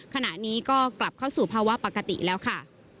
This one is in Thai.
ขณะนี้ก็กลับเข้าสู่ภาวะปกติแล้วค่ะ